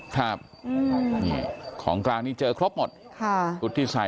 ถามของแค่นี้เขาก็ไม่ได้พูดอะไร